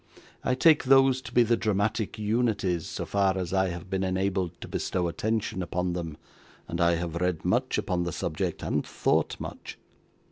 I take those to be the dramatic unities, so far as I have been enabled to bestow attention upon them, and I have read much upon the subject, and thought much.